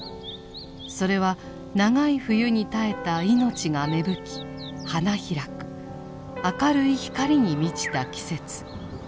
それは長い冬に耐えた命が芽吹き花開く明るい光に満ちた季節。